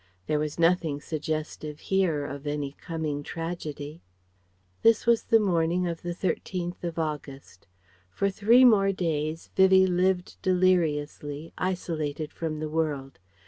There was nothing suggestive here of any coming tragedy. This was the morning of the 13th of August. For three more days Vivie lived deliriously, isolated from the world.